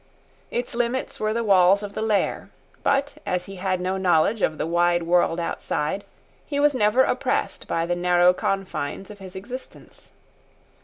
Its limits were the walls of the lair; but as he had no knowledge of the wide world outside, he was never oppressed by the narrow confines of his existence.